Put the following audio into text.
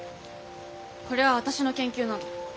これは私の研究なの。